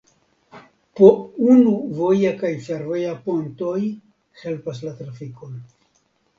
Po unu voja kaj fervoja pontoj helpas la trafikon.